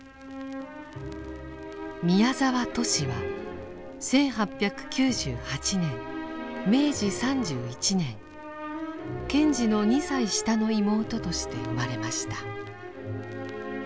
宮沢トシは１８９８年明治３１年賢治の２歳下の妹として生まれました。